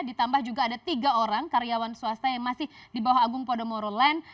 ditambah juga ada tiga orang karyawan swasta yang masih di bawah agung podomoro land